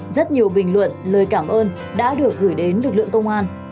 rất nhiều bình luận lời cảm ơn đã được gửi đến lực lượng công an